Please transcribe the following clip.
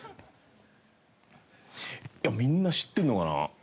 いやみんな知ってるのかな？